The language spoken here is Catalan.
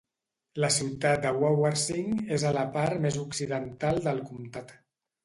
La ciutat de Wawarsing és a la part més occidental del comtat.